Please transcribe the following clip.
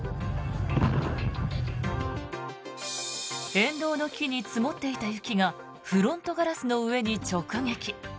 沿道の木に積もっていた雪がフロントガラスの上に直撃。